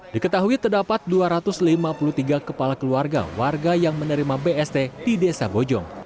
diketahui terdapat dua ratus lima puluh tiga kepala keluarga warga yang menerima bst di desa bojong